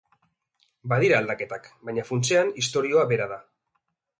Badira aldaketak baina funtsean istorioa bera da.